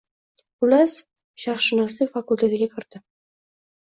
Xullas, Sharqshunoslik fakultetiga kirdim